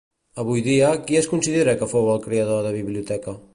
Avui dia, qui es considera que fou el creador de Biblioteca?